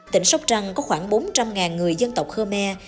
tỉnh sóc trăng có khoảng bốn trăm linh người dân tộc khmer